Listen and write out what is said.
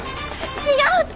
違うって！